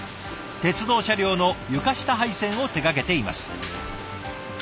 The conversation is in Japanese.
鉄道車両の床下配線を手がけています。